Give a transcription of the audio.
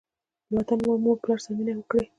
له وطن، مور او پلار سره مینه وکړئ.